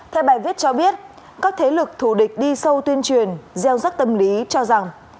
theo bài viết cho biết các thế lực thù địch đi sâu tuyên truyền gieo rắc tâm lý cho rằng